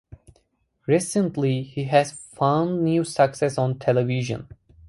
Recently he has found new success on television.